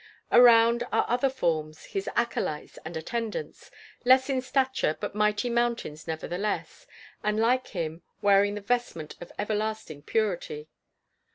Around are other forms, his acolytes and attendants, less in stature, but mighty mountains nevertheless, and, like him, wearing the vestment of everlasting purity.